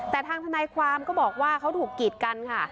แต่ทางทนายความก็บอกว่าเขาถูกกีดกันค่ะ